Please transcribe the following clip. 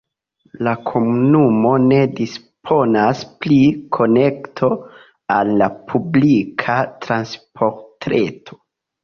La komunumo ne disponas pri konekto al la publika transportreto.